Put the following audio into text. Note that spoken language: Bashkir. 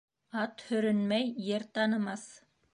Ат һөрөнмәй ер танымаҫ.